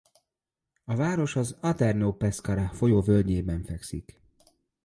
A város az Aterno-Pescara folyó völgyében fekszik.